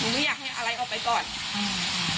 ไม่อยากให้อะไรออกไปก่อนอืม